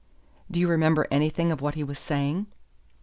"Do you remember anything of what he was saying?"